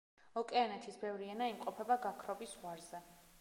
ოკეანეთის ბევრი ენა იმყოფება გაქრობის ზღვარზე.